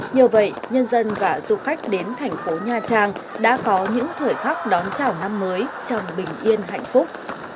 nhờ vậy nhân dân và du khách đến thành phố nha trang đã có những thời khắc đón chào năm mới trong bình yên hạnh phúc